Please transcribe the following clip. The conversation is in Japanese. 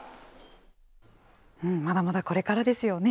まだまだこれからですよね。